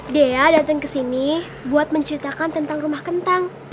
dea dateng kesini buat menceritakan tentang rumah kentang